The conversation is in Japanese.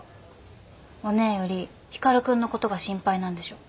おねぇより光くんのことが心配なんでしょ。